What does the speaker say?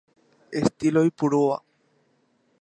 Estilo oiporúva.